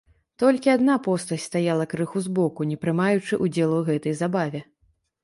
Толькі адна постаць стаяла крыху збоку, не прымаючы ўдзелу ў гэтай забаве.